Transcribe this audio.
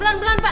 pelan pelan pak